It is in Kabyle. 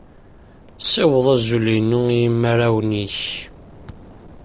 Ssiweḍ azul-inu i yimarrawen-ik.